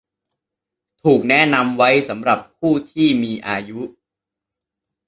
ถูกแนะนำไว้สำหรับผู้ที่มีอายุ